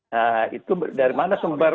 nah itu dari mana sumber